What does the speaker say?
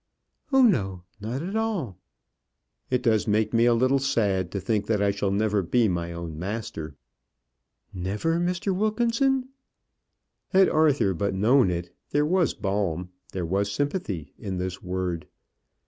"Oh, no; not at all." "It does make me a little sad to think that I shall never be my own master." "Never, Mr. Wilkinson!" Had Arthur but known it, there was balm, there was sympathy in this word.